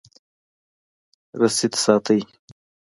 رسید ساتئ